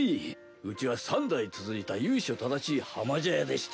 うちは三代続いた由緒正しい浜茶屋でして。